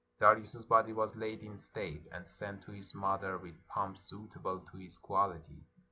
Darius's body was laid in state, and sent to his mother with pomp suitable to his quality.